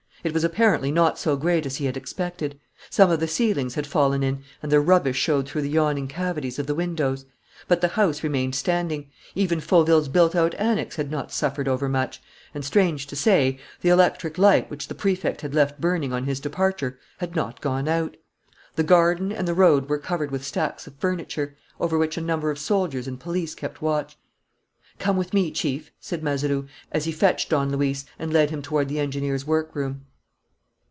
It was apparently not so great as he had expected. Some of the ceilings had fallen in and their rubbish showed through the yawning cavities of the windows; but the house remained standing. Even Fauville's built out annex had not suffered overmuch, and, strange to say, the electric light, which the Prefect had left burning on his departure, had not gone out. The garden and the road were covered with stacks of furniture, over which a number of soldiers and police kept watch. "Come with me, Chief," said Mazeroux, as he fetched Don Luis and led him toward the engineer's workroom.